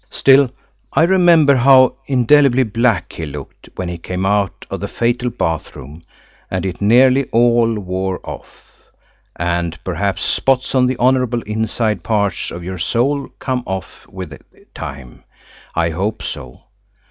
Still, I remember how indelibly black he looked when he came out of the fatal bathroom; and it nearly all wore off. And perhaps spots on the honourable inside parts of your soul come off with time. I hope so.